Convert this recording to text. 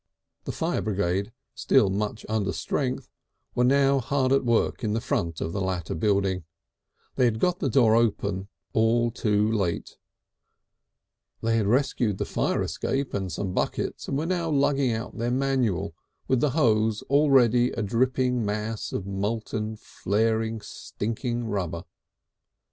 The fire brigade, still much under strength, were now hard at work in the front of the latter building; they had got the door open all too late, they had rescued the fire escape and some buckets, and were now lugging out their manual, with the hose already a dripping mass of molten, flaring, stinking rubber.